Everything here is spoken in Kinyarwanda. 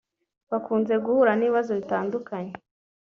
bakunze guhura n’ibibazo bitandukanye